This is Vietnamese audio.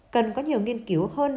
cần có nhiều nghiên cứu hơn